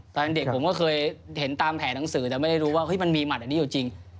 ตอนเด็กผมเคยเห็นตามแผนอ่างสือแต่ไม่รู้ว่ามันมีหมัดอยู่จริง